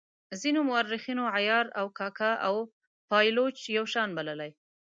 ځینو مورخینو عیار او کاکه او پایلوچ یو شان بللي.